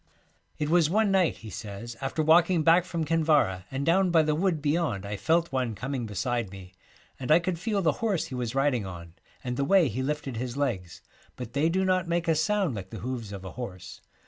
It was one night,' he says, 'after walking back from Kinvara and down by the wood beyond I felt one coming beside me, and I could feel the horse he was riding on and the way he lifted his legs, but they do not make a sound like the hoofs of a horse.